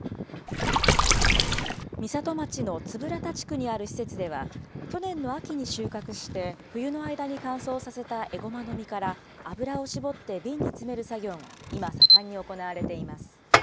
美里町の円良田地区にある施設では、去年の秋に収穫して冬の間に乾燥させたエゴマの実から、油を搾って瓶に詰める作業が今、盛んに行われています。